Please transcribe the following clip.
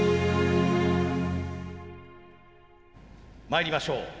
まいりましょう。